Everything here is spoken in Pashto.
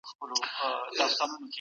په کڅوڼي کي مي خپل نوي جرابې ايښې وې.